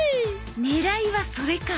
狙いはそれか